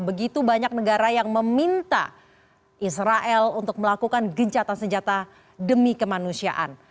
begitu banyak negara yang meminta israel untuk melakukan gencatan senjata demi kemanusiaan